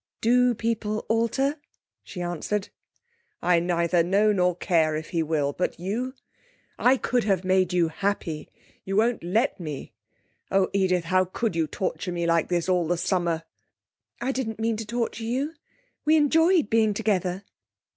'Do people alter?' she answered. 'I neither know nor care if he will, but you? I could have made you happy. You won't let me. Oh, Edith, how could you torture me like this all the summer?' 'I didn't mean to torture you. We enjoyed being together.'